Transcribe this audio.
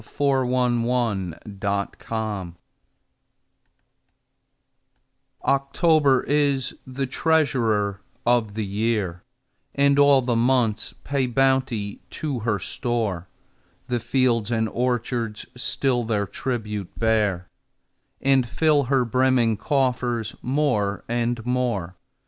Paul Laurence Dunbar October OCTOBER is the treasurer of the year, And all the months pay bounty to her store: The fields and orchards still their tribute bear, And fill her brimming coffers more and more.